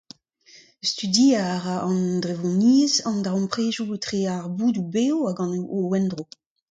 Studiañ a ra an drevoniezh an darempredoù etre ar boudoù bev hag o endro.